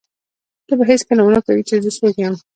ته به هېڅکله ونه پوهېږې چې زه څوک وم.